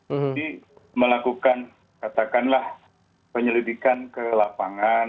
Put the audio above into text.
jadi melakukan katakanlah penyelidikan ke lapangan